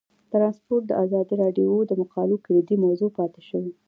ترانسپورټ د ازادي راډیو د مقالو کلیدي موضوع پاتې شوی.